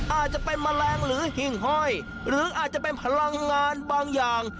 อาจจะเป็นแมลงหรือหิ่งห้อยหรืออาจจะเป็นพลังงานบางอย่าง